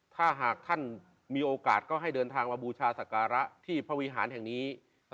ถ้าหากท่านมีโอกาสก็ให้เดินทางมาบูชาศักระที่พระวิหารแห่งนี้